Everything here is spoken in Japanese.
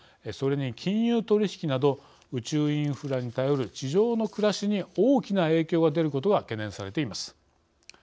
それに金融取引など宇宙インフラに頼る地上の暮らしに大きな影響が出ることが懸念されています。